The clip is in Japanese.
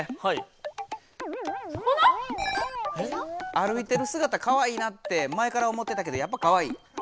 歩いてるすがたかわいいなって前から思ってたけどやっぱかわいい。